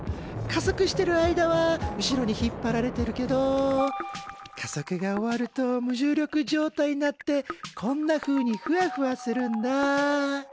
加速してる間は後ろに引っ張られてるけど加速が終わると無重力状態になってこんなふうにふわふわするんだ！